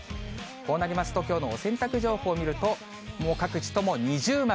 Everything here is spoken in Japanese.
こうなります、きょうのお洗濯情報を見ますと、もう各地とも二重丸。